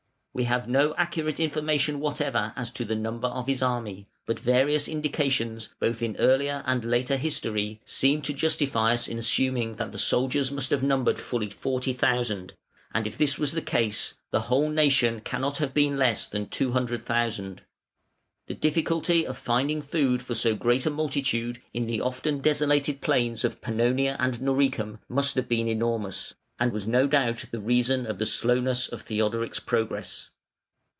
We have no accurate information whatever as to the number of his army, but various indications, both in earlier and later history, seem to justify us in assuming that the soldiers must have numbered fully 40,000; and if this was the case, the whole nation cannot have been less than 200,000. The difficulty of finding food for so great a multitude in the often desolated plains of Pannonia and Noricum must have been enormous, and was no doubt the reason of the slowness of Theodoric's progress.